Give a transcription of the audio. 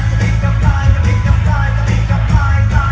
ก็มีก็ปล่อยก็มีก็ปล่อยก็มีก็ปล่อยปล่อย